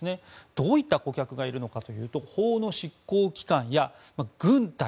どういった顧客がいるのかというと法の執行機関や軍隊。